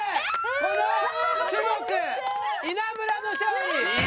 この種目稲村の勝利！